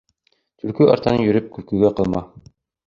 Төлкө артынан йөрөп, көлкөгә ҡалма.